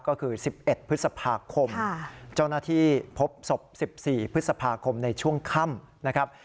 ก็คือ๑๑พฤษภาคมช่องหน้าที่พบศพ๑๔พฤษภาคมในช่วงค้ำ